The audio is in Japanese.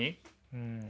うん。